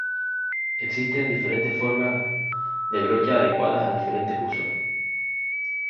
Existen diferentes formas de brocha adecuadas a diferentes usos.